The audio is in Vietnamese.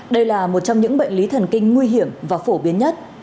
đây là một trong những bệnh lý thần kinh nguy hiểm và phổ biến nhất